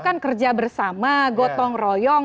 kan kerja bersama gotong royong